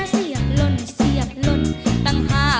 เชียบลนเชียบลนตั้งห้า